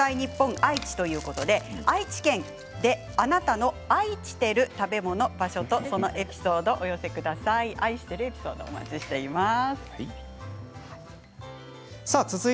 愛知ということで愛知県であなたのあいちてる食べ物、場所とそのエピソードをお寄せください。